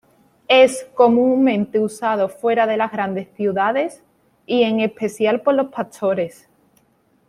Es comúnmente usado fuera de las grandes ciudades, y en especial por los pastores.